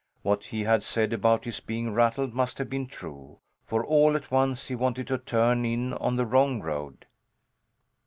What he had said about his being rattled must have been true, for all at once he wanted to turn in on the wrong road.